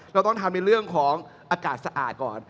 เราต้องทำในเรื่องของอากาศสะอาดก่อน